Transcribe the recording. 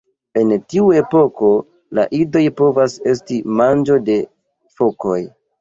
En tiu epoko la idoj povas esti manĝo de fokoj.